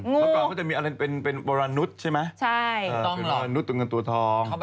ก่อนพวกมันจะมีอะไรเป็นเป็นโบราณหนุชใช่ไหม